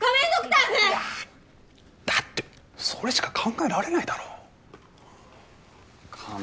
いやだってそれしか考えられないだろ仮面